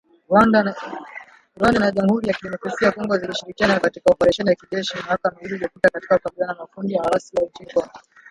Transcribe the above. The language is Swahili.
Rwanda na Jamhuri ya kidemokrasia ya Kongo zilishirikiana katika operesheni ya kijeshi miaka miwili iliyopita katika kukabiliana na makundi ya waasi nchini Kongo.